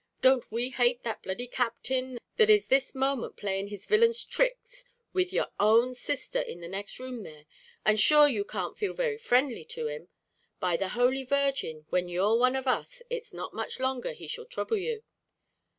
Don't we hate that bloody Captain that is this moment playing his villain's tricks with your own sisther in the next room there? and shure you can't feel very frindly to him. By the holy Virgin, when you're one of us, it's not much longer he shall throuble you.